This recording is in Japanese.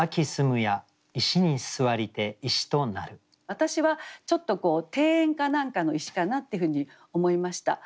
私はちょっと庭園か何かの石かなっていうふうに思いました。